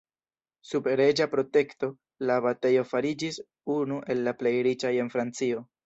Sub reĝa protekto, la abatejo fariĝis unu el la plej riĉaj en Francio.